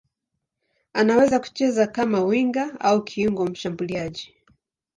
Anaweza kucheza kama winga au kiungo mshambuliaji.